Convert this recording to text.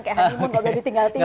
gak boleh ditinggal tinggal